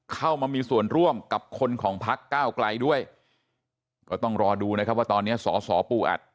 เข้ามามีส่วนร่วมกับคนของพักก้าวไกลด้วยก็ต้องรอดูนะครับว่าตอนนี้สสปูอัด